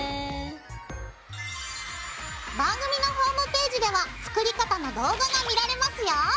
番組のホームページでは作り方の動画が見られますよ。